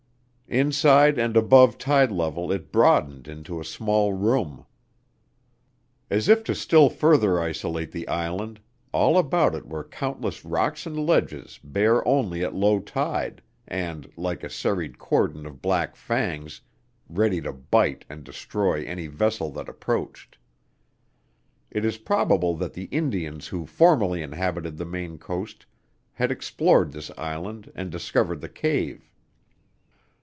Inside and above tide level it broadened into a small room. As if to still further isolate the island all about it were countless rocks and ledges bare only at low tide and, like a serried cordon of black fangs, ready to bite and destroy any vessel that approached. It is probable that the Indians who formerly inhabited the Maine coast had explored this island and discovered the cave.